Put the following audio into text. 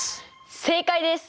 正解です！